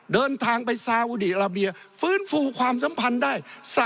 เดินทางไปซาอุดีอาราเบียฟื้นฟูความสัมพันธ์ได้